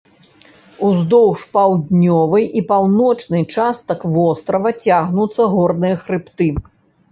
Уздоўж паўднёвай і паўночнай частак вострава цягнуцца горныя хрыбты.